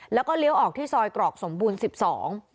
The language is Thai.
แล้วก็เลี้ยวออกที่ซอยกรอกสมบูรณ์สิบสอง